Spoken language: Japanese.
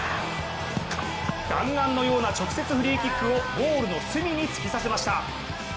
弾丸のような直接フリーキックをゴールの隅に突き刺しました。